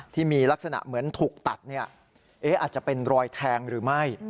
ที่มีลักษณะเหมือนถูกตัดอาจจะเป็นรอยแทงหรือไม่